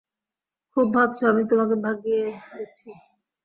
তুমি ভাবছ আমি তোমাকে ভাগিয়ে দিচ্ছি।